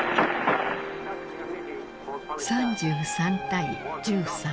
３３対１３。